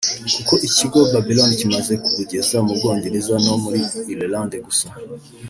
kuko ikigo Babylon kimaze kubugeza mu Bwongereza no muri Ireland gusa